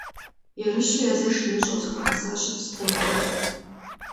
Ерыщу, езэш имыщӏэу зыхуигъэсащ абы спортым.